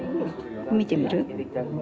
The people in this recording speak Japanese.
見てみる？